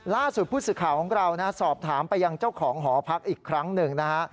ล่าสุดผู้สื่อข่าวของเราสอบถามไปยังเจ้าของหอพักอีกครั้งหนึ่งนะฮะ